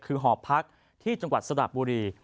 คือหอพักที่จังหวัดสระบุรี